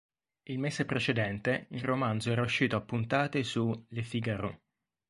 Il mese precedente il romanzo era uscito a puntate su "Le Figaro".